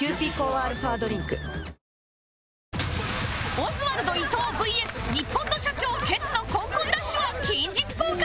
オズワルド伊藤 ＶＳ ニッポンの社長ケツのコンコンダッシュは近日公開